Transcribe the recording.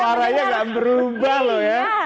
caranya gak berubah loh ya